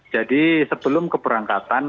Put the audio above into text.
jadi sebelum keberangkatan